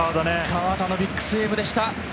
河田のビッグセーブでした。